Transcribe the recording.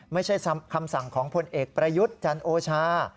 ไม่ใช่คำสั่งของพลเอกประยุทธ์จันโอชา